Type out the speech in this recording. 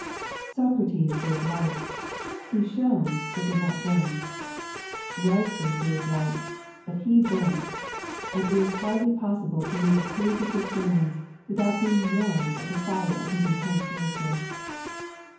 Socrates gave light ; he ehone, but did not bum. Wesley gave light, but he burnt ; and it ia hardly possible to read a page of bis sermons without being wanned at the fire of hie intense nature.